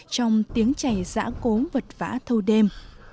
trong tiếng chảy giã cốm vật vã thâu đêm